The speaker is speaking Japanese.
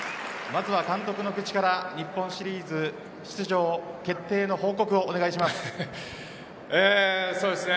まずは監督の口から日本シリーズ出場決定の報告をお願いします。